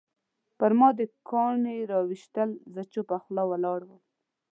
پرما دې کاڼي راویشتل زه چوپه خوله ولاړم